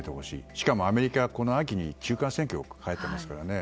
しかもアメリカはこの秋に中間選挙を控えてますからね。